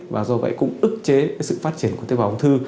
và do vậy cũng ức chế sự phát triển của tế bào ung thư